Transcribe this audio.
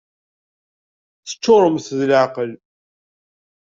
Teččuremt d leεqel!